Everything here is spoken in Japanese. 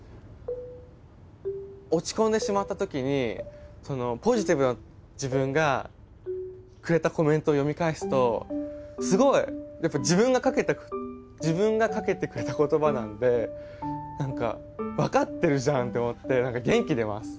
落ち込んでしまった時にポジティブな自分がくれたコメントを読み返すとすごいやっぱ自分がかけてくれた言葉なんで「分かってるじゃん！」って思って何か元気出ます！